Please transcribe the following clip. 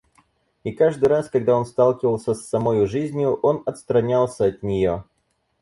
И каждый раз, когда он сталкивался с самою жизнью, он отстранялся от нее.